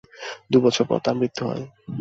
দু বছর পর তাঁর মৃত্যু হয়।